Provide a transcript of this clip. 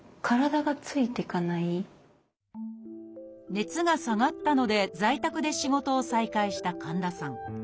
熱が下がったので在宅で仕事を再開した神田さん。